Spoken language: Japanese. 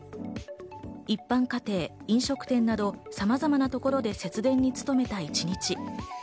一般家庭、飲食店などさまざまなところで節電に努めた一日。